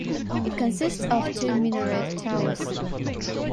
It consists of two minaret towers.